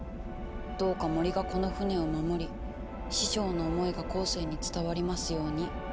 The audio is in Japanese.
どうか森がこの船を守り師匠の思いが後世に伝わりますように。